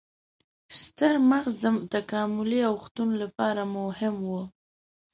ستر مغز د تکاملي اوښتون لپاره مهم و.